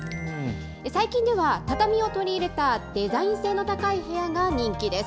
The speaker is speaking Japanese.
最近では、畳を取り入れたデザイン性の高い部屋が人気です。